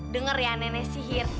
dengar ya nenek sihir